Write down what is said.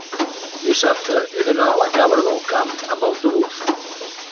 dissabte he d'anar a Cabra del Camp amb autobús.